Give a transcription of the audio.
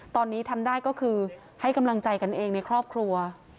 ตอนนี้ทำได้ก็คือให้กำลังใจกันเองในครอบครัว